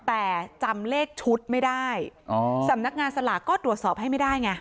แต่จำเลขชุดไม่ได้สำนักงานสลากก็ตรวจสอบให้ไม่ได้ไง